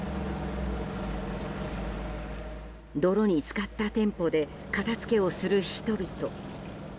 泥に浸かった店舗で片づけをする人々。